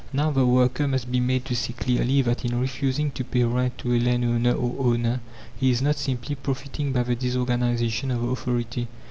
Now the worker must be made to see clearly that in refusing to pay rent to a landlord or owner he is not simply profiting by the disorganization of authority.